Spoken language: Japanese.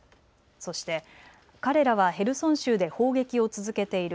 そして彼らはヘルソン州で砲撃を続けている。